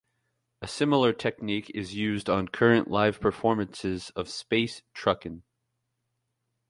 A similar technique is used on current live performances of "Space Truckin'".